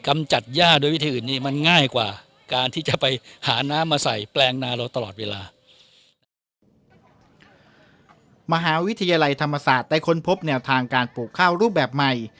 มหาวิทยาลัยธรรมศาสตร์ได้ค้นพบแนวทางการปลูกข้าวรูปแบบใหม่